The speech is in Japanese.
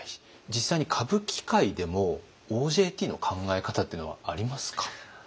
実際に歌舞伎界でもＯＪＴの考え方っていうのはありますか？